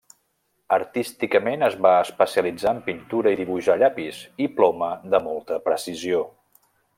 Artísticament es va especialitzar en pintura i dibuix a llapis i ploma de molta precisió.